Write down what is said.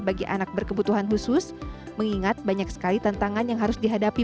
bagi anak berkebutuhan khusus mengingat banyak sekali tantangan yang harus dihadapi